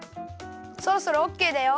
そろそろオッケーだよ。